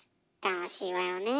楽しいわよね。